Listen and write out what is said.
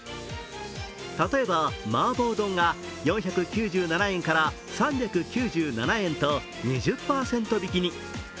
例えばマーボー豆腐が４９７円から３９７円と２０％引きに。